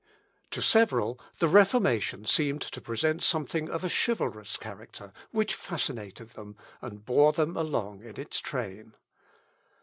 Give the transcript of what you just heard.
To several, the Reformation seemed to present something of a chivalrous character, which fascinated them, and bore them along in its train.